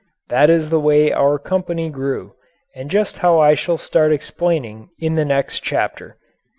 That is the way our company grew and just how I shall start explaining in the next chapter.